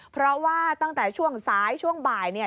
เพราะว่าตั้งแต่ช่วงซ้ายช่วงบ่าย